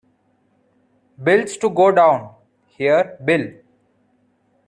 Bill’s to go down—Here, Bill!